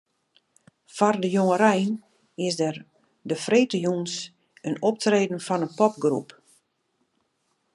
Foar de jongerein is der de freedtejûns in optreden fan in popgroep.